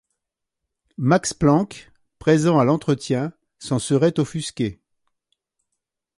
Max Planck, présent à l'entretien, s'en serait offusqué.